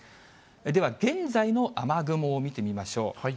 では、現在の雨雲を見てみましょう。